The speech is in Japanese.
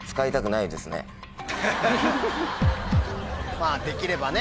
まぁできればね